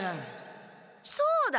そうだ！